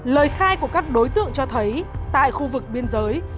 lời khai của các đối tượng cho thấy tại khu vực biên giới